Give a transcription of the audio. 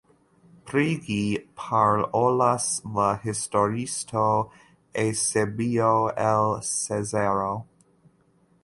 Pri ĝi parolas la historiisto Eŭsebio el Cezareo.